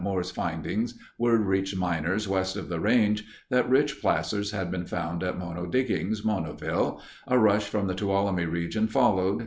Moore's findings, word reached miners west of the range that rich placers had been found at Mono Diggings (Monoville). A rush from the Tuolumne Region followed.